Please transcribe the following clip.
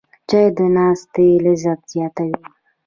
چای د ناستې لذت زیاتوي